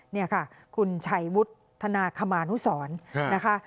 นี่ค่ะคุณชัยวุฒนาคมานุสรนะคะ